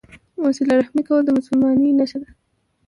وسیله رحمي کول د مسلمانۍ نښه ده.